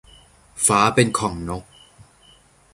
ฟ้าเป็นของนก